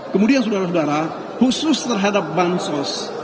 kemudian saudara saudara khusus terhadap bansos